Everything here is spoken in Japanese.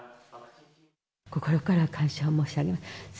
心から感謝を申し上げます。